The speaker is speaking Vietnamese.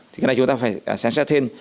thì cái này chúng ta phải xem xét thêm